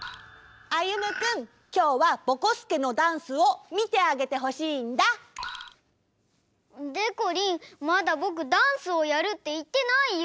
歩くんきょうはぼこすけのダンスをみてあげてほしいんだ！でこりんまだぼくダンスをやるっていってないよ！